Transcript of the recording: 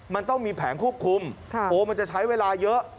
มันต้องมีแผงควบคุมโอ้มันจะใช้เวลาเยอะ